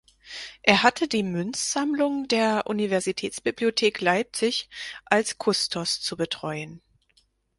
Er hatte die Münzsammlung der Universitätsbibliothek Leipzig als Kustos zu betreuen.